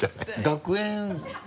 学園。